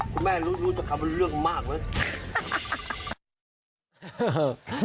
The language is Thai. คุณแม่รู้รู้จะทำเรื่องมากมั้ย